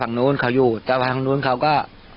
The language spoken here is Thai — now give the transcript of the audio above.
ฝั่งนู้นเขาอยู่แต่ฝั่งนู้นเขาก็